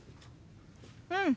うん。